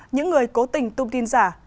những người cố tình tôn tin giả